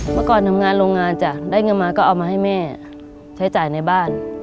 เมื่อก่อนทำงานโรงงานจ้ะได้เงินมาก็เอามาให้แม่ใช้จ่ายในบ้าน